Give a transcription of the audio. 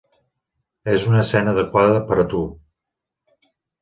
És una escena adequada per a tu.